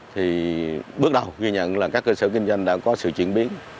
thì bước đầu ghi nhận là các cơ sở kinh doanh đã có sự chuyển biến